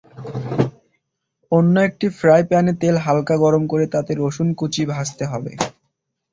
অন্য একটি ফ্রাইপ্যানে তেল হালকা গরম করে তাতে রসুন কুচি ভাজতে হবে।